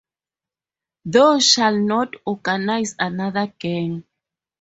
Thou shalt not organize another gang.